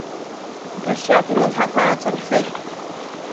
Басиаҭ илымҳақәа ааҵархеит.